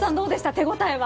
手応えは。